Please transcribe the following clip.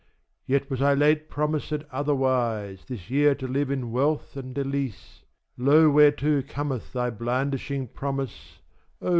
Yet was I late promised otherwise, This year to live in wealth and delice;5 Lo whereto cometh thy blandishing promise, O!